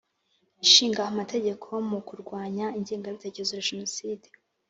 Ishinga Amategeko mu kurwanya ingengabitekerezo ya Jenoside